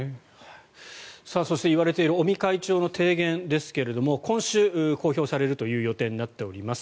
そして、言われている尾身会長の提言ですが今週、公表される予定となっています。